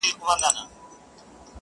چي تر کور پوري به وړي د سپیو سپکه -